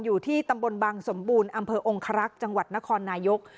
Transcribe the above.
อยู่ที่ตำบลบังสมบูรณ์อำเภอองครักษ์จังหวัดนครนายก